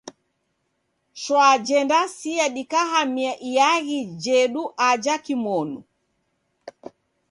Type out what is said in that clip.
Shwa jendasia dikahamia iaghi jedu aja kimonu.